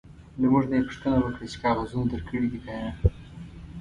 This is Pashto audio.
له موږ نه یې پوښتنه وکړه چې کاغذونه درکړي دي که نه.